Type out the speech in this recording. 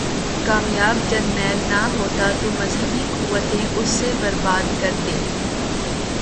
کامیاب جرنیل نہ ہوتا تو مذہبی قوتیں اسے برباد کر دیتیں۔